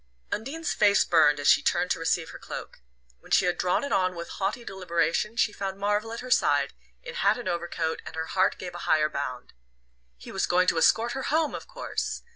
Undine's face burned as she turned to receive her cloak. When she had drawn it on with haughty deliberation she found Marvell at her side, in hat and overcoat, and her heart gave a higher bound. He was going to "escort" her home, of course!